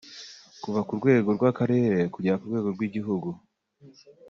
kuva ku rwego rw’akarere kugera ku rwego rw’igihugu